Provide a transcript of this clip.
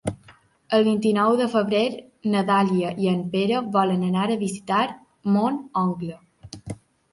El vint-i-nou de febrer na Dàlia i en Pere volen anar a visitar mon oncle.